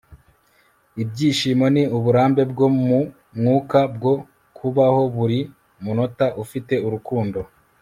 ibyishimo ni uburambe bwo mu mwuka bwo kubaho buri munota ufite urukundo